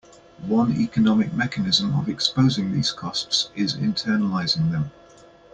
One economic mechanism of exposing these costs is internalizing them.